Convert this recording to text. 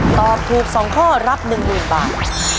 ตอบถูก๒ข้อรับ๑๐๐๐บาท